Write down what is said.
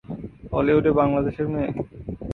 হলিউডে বাংলাদেশের মেয়ে